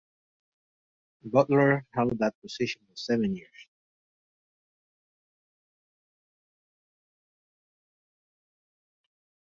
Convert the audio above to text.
Butler held that position for seven years.